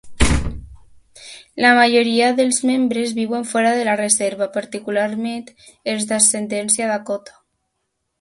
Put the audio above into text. La majoria dels membres viuen fora de la reserva, particularment els d'ascendència Dakota.